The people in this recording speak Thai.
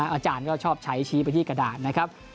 อาจารย์ก็ชอบใช้ชี้ไปที่กระดาษนะครับ